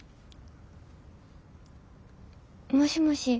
もしもし。